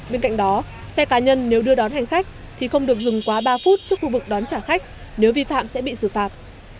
bên cạnh đó xe cá nhân nếu đưa đón hành khách thì không được dừng quá ba phút trước khu vực đón trả khách nếu vi phạm sẽ bị xử phạt